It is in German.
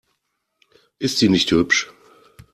Ist sie nicht hübsch?